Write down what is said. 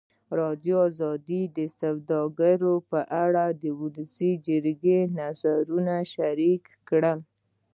ازادي راډیو د سوداګري په اړه د ولسي جرګې نظرونه شریک کړي.